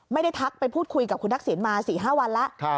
ไม่ได้ทักไปพูดคุยกับคุณทักศิลป์มา๔๕วันแล้ว